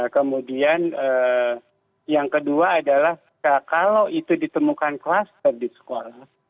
kemudian yang kedua adalah kalau itu ditemukan klaster di sekolah